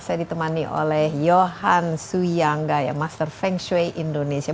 saya ditemani oleh yohan suyangga ya master feng shui indonesia